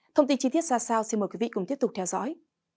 thông tin chi tiết ra sao xin mời quý vị cùng tiếp tục theo dõi